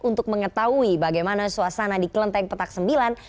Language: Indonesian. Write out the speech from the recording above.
untuk mengetahui bagaimana suasana di kelenteng petak sembilan